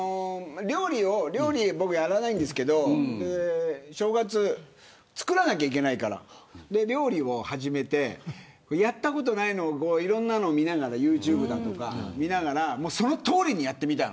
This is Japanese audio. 料理を僕やらないんですけど正月、作らなきゃいけないから料理を始めてやったことないのをいろんなのを見ながらユーチューブだとか見ながらそのとおりにやってみたの。